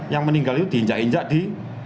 yang meninggal itu diinjak injak di